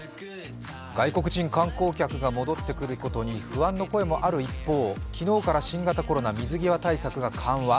外国人観光客が戻ってくることに不安の声もある一方昨日から新型コロナ水際対策が緩和。